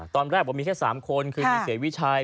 ตอนแรกบอกว่ามีแค่๓คนคือมีเสียวิชัย